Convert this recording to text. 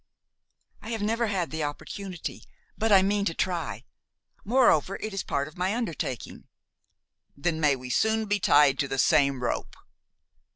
"I have never had the opportunity; but I mean to try. Moreover, it is part of my undertaking." "Then may we soon be tied to the same rope!"